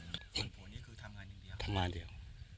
ควรผู้นี้คือทำงานอย่างเดียว